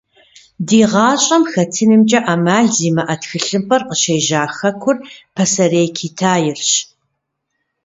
Ди гъащӏэм хэтынымкӏэ ӏэмал зимыӏэ тхылъымпӏэр къыщежьа хэкур – Пасэрей Китаирщ.